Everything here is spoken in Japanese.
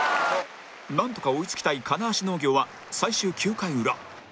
なんとか追い付きたい金足農業は最終９回裏